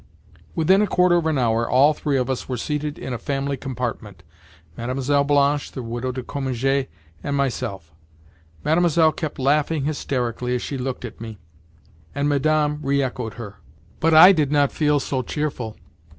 Within a quarter of an hour all three of us were seated in a family compartment—Mlle. Blanche, the Widow de Cominges, and myself. Mlle. kept laughing hysterically as she looked at me, and Madame re echoed her; but I did not feel so cheerful.